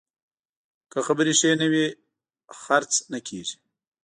که خبرې ښې نه وي، خرڅ نه کېږي.